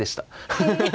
ハハハハ。